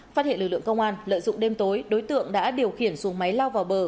phát hiện lực lượng công an lợi dụng đêm tối đối tượng đã điều khiển xuống máy lao vào bờ